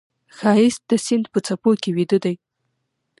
ښایست د سیند په څپو کې ویده دی